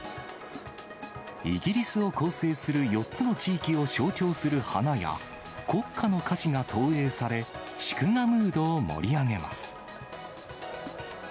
イギリスを構成する４つの地域を象徴する花や、国歌の歌詞が投影され、祝賀ムードを盛り上げます。